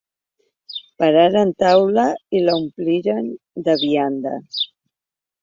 Pararem taula i l'omplirem de vianda.